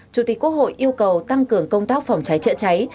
chủ tịch quốc hội yêu cầu tăng cường công tác phòng cháy chữa cháy